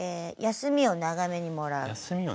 休みを長めにもらう？